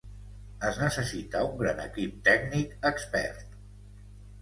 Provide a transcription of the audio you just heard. Es necessita un gran equip tècnic expert.